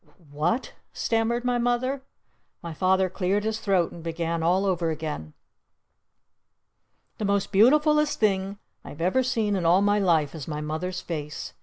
"W what?" stammered my Mother. My Father cleared his throat and began all over again. The most beautifulest thing I've ever seen in all my life is my Mother's face!